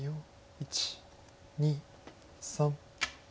１２３。